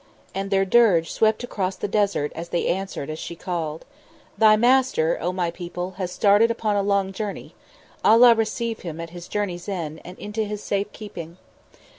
And their dirge swept across the desert as they answered as she called: "Thy Master, O my people, has started upon a long journey. Allah receive him at his journey's end into His safe keeping!"